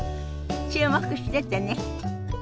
注目しててね。